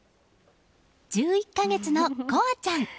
１１か月の心彩ちゃん。